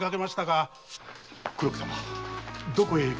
黒木様どこへ？